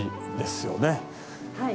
はい。